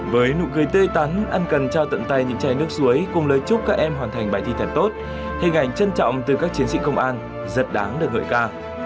với nụ cười tươi tắn ân cần trao tận tay những chai nước suối cùng lời chúc các em hoàn thành bài thi thật tốt hình ảnh trân trọng từ các chiến sĩ công an rất đáng được ngợi ca